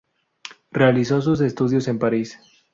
Realizó sus estudios en París.